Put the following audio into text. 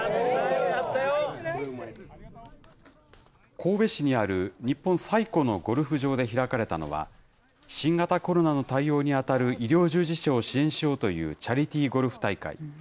神戸市にある日本最古のゴルフ場で開かれたのは、新型コロナの対応に当たる医療従事者を支援しようというチャリティーゴルフ大会。